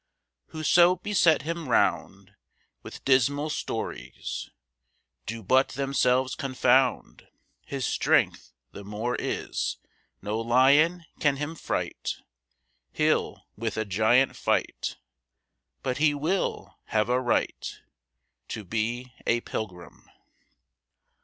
"Whoso beset him round With dismal stories, Do but themselves confound His strength the more is. No lion can him fright; He'll with a giant fight, But he will have a right To be a pilgrim.